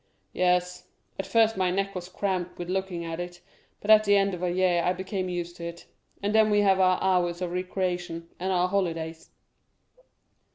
"Yes. At first my neck was cramped with looking at it, but at the end of a year I became used to it; and then we have our hours of recreation, and our holidays."